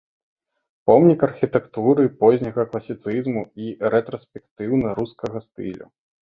Помнік архітэктуры позняга класіцызму і рэтраспектыўна-рускага стылю.